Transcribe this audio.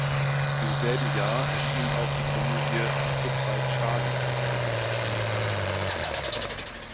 Im selben Jahr erschien auch die Komödie "Goodbye Charlie" mit Tony Curtis.